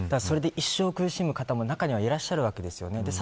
一生、苦しむ方も中にはいらっしゃるわけです。